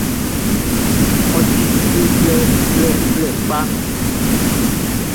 Ɔ tie djue blɛblɛblɛ kpa.